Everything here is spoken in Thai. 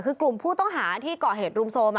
คือกลุ่มผู้ต้องหาที่ก่อเหตุรุมโทรม